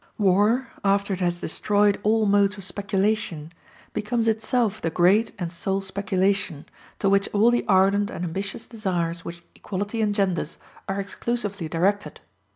War, after it has destroyed all modes of speculation, becomes itself the great and sole speculation, to which all the ardent and ambitious desires which equality engenders are exclusively directed.